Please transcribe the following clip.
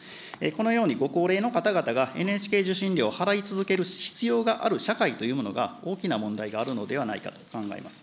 このようにご高齢の方々が、ＮＨＫ受信料を払い続ける必要がある社会というものが、大きな問題があるのではないかと考えます。